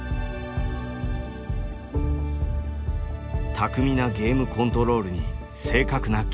巧みなゲームコントロールに正確なキック。